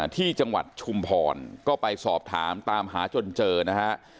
ที่จังหวัดชุมพรก็ไปสอบถามตามหาจนเจอนะฮะ